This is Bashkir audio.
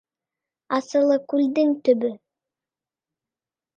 Асылыкүлдең төбө